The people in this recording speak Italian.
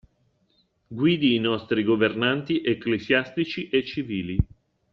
Guidi i vostri Governanti ecclesiastici e civili.